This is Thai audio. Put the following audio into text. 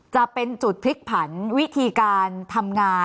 จะเป็นจุดพลิกผันวิธีการทำงาน